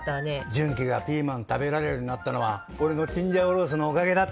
順基がピーマン食べられるようになったのは俺のチンジャオロースのおかげだってさ。